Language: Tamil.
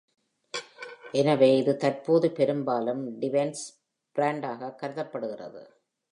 எனவே இது தற்போது பெரும்பாலும் ட்வென்ட்ஸ் பிராண்டாக கருதப்படுகிறது.